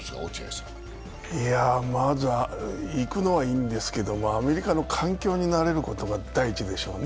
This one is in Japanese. まずは行くのはいいんですけど、アメリカの環境に慣れることが第一でしょうね。